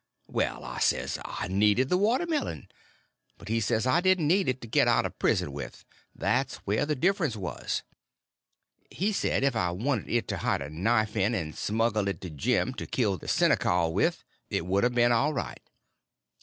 Well, I says, I needed the watermelon. But he said I didn't need it to get out of prison with; there's where the difference was. He said if I'd a wanted it to hide a knife in, and smuggle it to Jim to kill the seneskal with, it would a been all right.